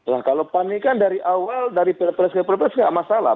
nah kalau pan ini kan dari awal dari p tiga ke p tiga nggak masalah